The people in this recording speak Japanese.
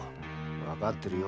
わかってるよ。